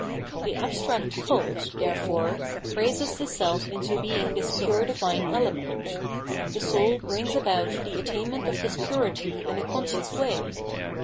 The abstract Cult, therefore, raises the self into being this pure diviue element. The soul brings about the attainment of this purity in a conscious way.